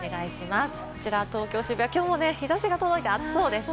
こちら東京・渋谷、日差しが届いて暑そうですね。